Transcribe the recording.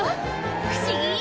不思議！